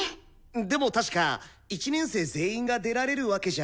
でも確か１年生全員が出られるわけじゃないですよね？